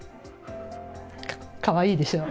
かわいいでしょ。